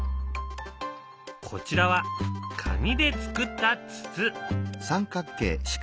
こちらは紙でつくった筒。